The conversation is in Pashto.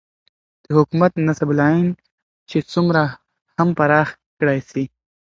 دحكومت نصب العين چې څومره هم پراخ كړى سي